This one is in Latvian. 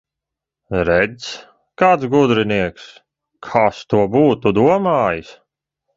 Redz, kāds gudrinieks! Kas to būtu domājis!